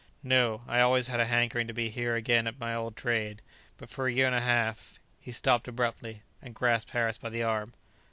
"No; I always had a hankering to be here again at my old trade; but for a year and a half...." He stopped abruptly, and grasped Harris by the arm.